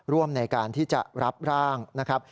ร่วมในการที่จะรับร่างนะครับ